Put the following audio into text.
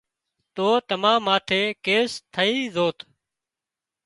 تو تمان ماٿي ڪيس ٿئي زوت